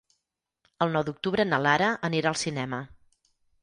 El nou d'octubre na Lara anirà al cinema.